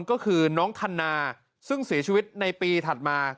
ก็คือน้องธันนาซึ่งเสียชีวิตในปีถัดมา